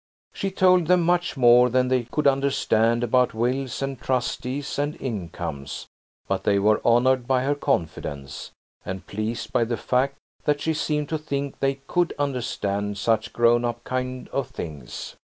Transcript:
She told them much more than they could understand about wills, and trustees, and incomes, but they were honoured by her confidence, and pleased by the fact that she seemed to think they could understand such grown up kind of things.